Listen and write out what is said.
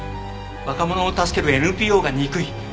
若者を助けるＮＰＯが憎い。